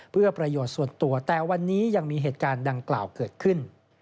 เพื่อประโยชน์ส่วนตัวแต่วันนี้ยังมีเหตุการณ์ดังกล่าวเกิดขึ้น